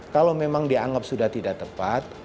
kalau memang dianggap sudah tidak tepat